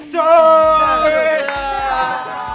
sampai jumpa lagi